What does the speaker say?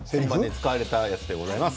使われたやつでございます。